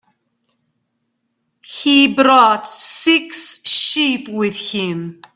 He brought six sheep with him.